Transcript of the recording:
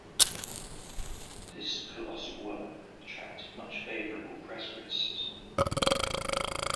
This "colossal work" attracted much favourable press criticism.